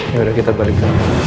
ya sudah kita balik